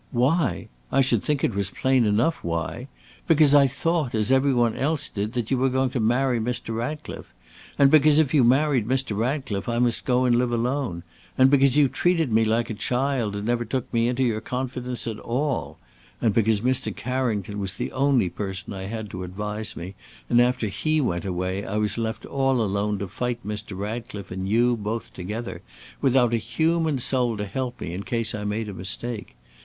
"Why? I should think it was plain enough why! Because I thought, as every one else did, that you were going to marry Mr. Ratcliffe; and because if you married Mr. Ratcliffe, I must go and live alone; and because you treated me like a child, and never took me into your confidence at all; and because Mr. Carrington was the only person I had to advise me, and after he went away, I was left all alone to fight Mr. Ratcliffe and you both together, without a human soul to help me in case I made a mistake.